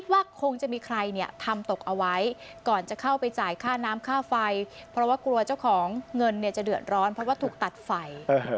เพราะว่ากลัวเจ้าของเงินเดือดร้อนเพราะว่าถูกตัดไฟ